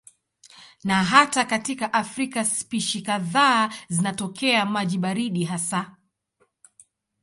Na hata katika Afrika spishi kadhaa zinatokea maji baridi hasa.